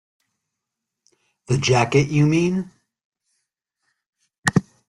The jacket, you mean?